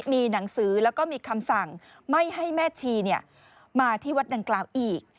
มีหนังสือแล้วก็มีคำสั่งไม่ให้แม่ชีมาที่วัดดังกล่าวอีก